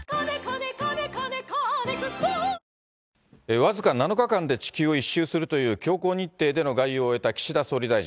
僅か７日間で地球を１周するという強行日程での外遊を終えた岸田総理大臣。